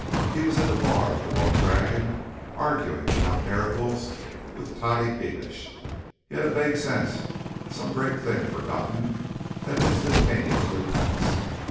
He was in the bar of the Long Dragon, arguing about miracles with Toddy Beamish. He had a vague sense of some great thing forgotten that instantaneously passed.